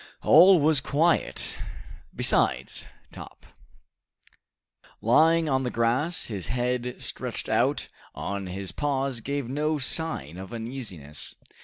All was quiet. Besides, Top, lying on the grass, his head stretched out on his paws, gave no sign of uneasiness.